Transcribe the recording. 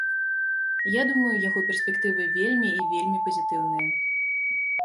Я думаю, яго перспектывы вельмі і вельмі пазітыўныя.